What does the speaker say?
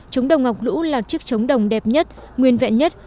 trống đồng ngọc lũ là chiếc trống đồng đẹp nhất nguyên vẹn nhất